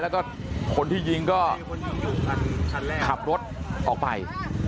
แล้วก็คนที่ยิงก็ขับรถออกไป